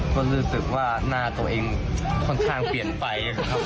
ความรู้สึกว่าหน้าตัวเองค่อนข้างเปลี่ยนไป